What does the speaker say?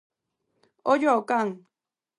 Ollo ao can!